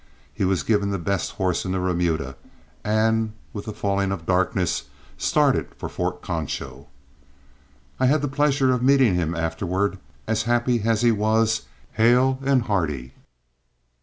He was given the best horse in the remuda, and with the falling of darkness started for Fort Concho. I had the pleasure of meeting him afterward, as happy as he was hale and hearty.